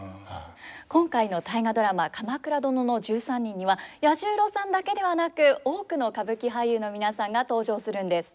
今回の「大河ドラマ鎌倉殿の１３人」には彌十郎さんだけではなく多くの歌舞伎俳優の皆さんが登場するんです。